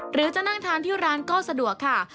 หรือจะนั่งทานที่ร้านก็สะดวกค่ะ